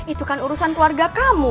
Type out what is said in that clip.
itu kan urusan keluarga kamu